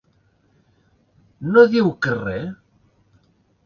No diu que re?